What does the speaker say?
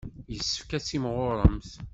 Yessefk ad timɣuremt.